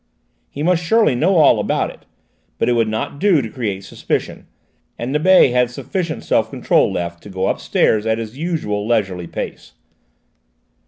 He must surely know all about it. But it would not do to create suspicion, and Nibet had sufficient self control left to go upstairs at his usual leisurely pace.